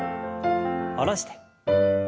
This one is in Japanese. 下ろして。